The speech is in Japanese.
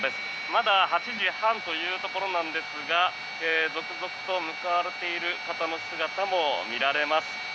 まだ８時半というところですが続々と向かわれている方の姿も見られます。